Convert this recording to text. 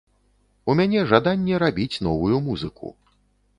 У мяне жаданне рабіць новую музыку.